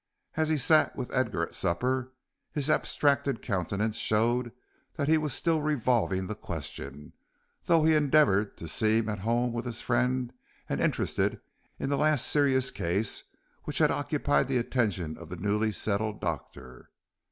As he sat with Edgar at supper, his abstracted countenance showed that he was still revolving the question, though he endeavored to seem at home with his friend and interested in the last serious case which had occupied the attention of the newly settled doctor.